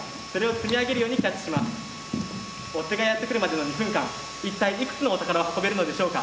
追っ手がやって来るまでの２分間一体いくつのお宝を運べるのでしょうか。